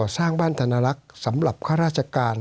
สวัสดีครับทุกคน